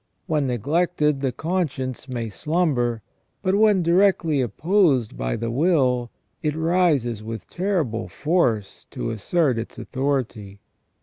When neglected, the conscience may slumber, but when directly opposed by the will, it rises with ter rible force to assert its authority.